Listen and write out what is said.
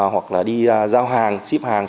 hoặc là đi giao hàng ship hàng